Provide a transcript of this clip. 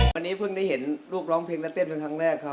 วันนี้เพิ่งได้เห็นลูกร้องเพลงและเต้นเป็นครั้งแรกครับ